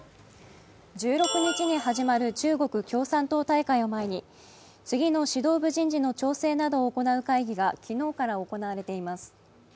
１６日に始まる中国共産党大会を前に次の指導部人事の調整などを行う会議が昨日から行われています。